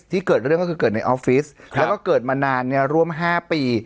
เกิดเรื่องก็คือเกิดในออฟฟิศแล้วก็เกิดมานานร่วม๕ปี